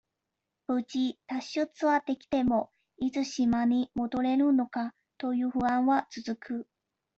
無事、脱出はできても、いつ島に戻れるのか、という不安は続く。